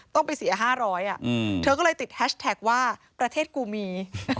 ต้องไปเสีย๕๐๐เธอก็เลยติดแฮชแท็กว่าประเทศกูมี